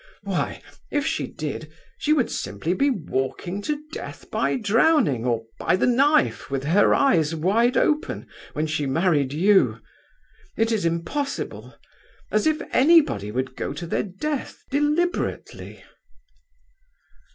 Why, if she did, she would simply be walking to death by drowning or by the knife, with her eyes wide open, when she married you. It is impossible! As if anybody would go to their death deliberately!"